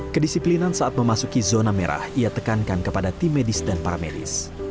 kedisiplinan saat memasuki zona merah ia tekankan kepada tim medis dan para medis